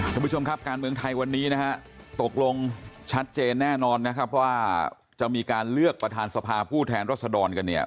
ท่านผู้ชมครับการเมืองไทยวันนี้นะฮะตกลงชัดเจนแน่นอนนะครับว่าจะมีการเลือกประธานสภาผู้แทนรัศดรกันเนี่ย